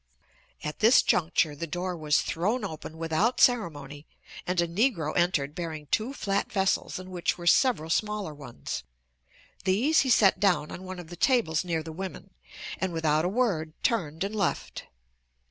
At this juncture the door was thrown open without ceremony and a Negro entered bearing two flat vessels in which were several smaller ones. These he set down on one of the tables near the women, and, without a word, turned and left.